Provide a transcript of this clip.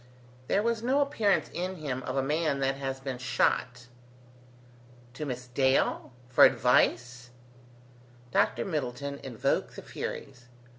There was no appearance in him of a man that has been shot. "To Miss Dale? for advice?" Dr Middleton invoked the Furies.